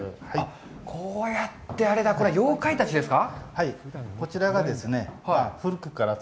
こうやって、これは妖怪たちですか？